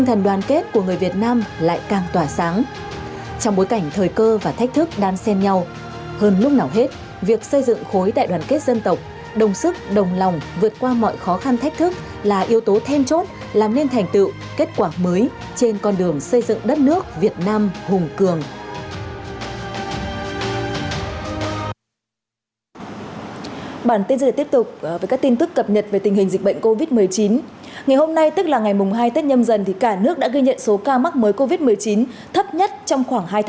tổng số ca mắc mới covid một mươi chín thấp nhất trong khoảng hai tháng qua và trong ngày có gần sáu tám trăm linh ca khỏi